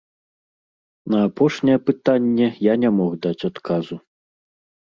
На апошняе пытанне я не мог даць адказу.